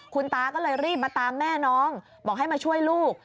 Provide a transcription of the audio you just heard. คุณตาก็เลยรีบมาตามแม่น้องบอกให้มาช่วยลูก